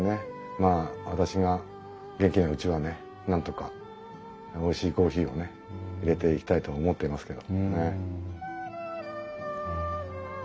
まあ私が元気なうちはねなんとかおいしいコーヒーをねいれていきたいと思ってますけど。